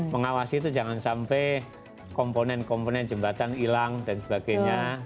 mengawasi itu jangan sampai komponen komponen jembatan hilang dan sebagainya